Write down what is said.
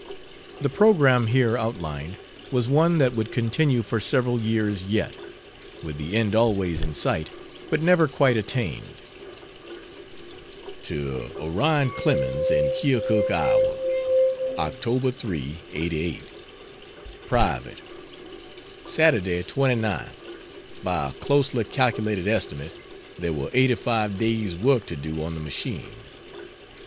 The program here outlined was one that would continue for several years yet, with the end always in sight, but never quite attained. To Orion Clemens, in Keokuk, Ia.: Oct. 3, '88. Private. Saturday 29th, by a closely calculated estimate, there were 85 days' work to do on the machine.